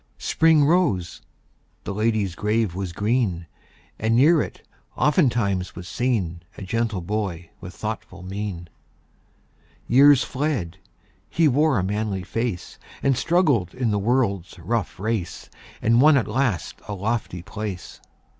Spring rose; the lady's grave was green; And near it, oftentimes, was seen A gentle boy with thoughtful mien. Years fled; he wore a manly face, And struggled in the world's rough race, And won at last a lofty place.